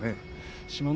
志摩ノ